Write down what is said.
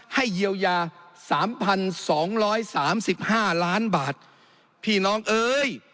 ให้เยียวยาสามพันสองร้อยสามสิบห้าล้านบาทพี่น้องเอ้ย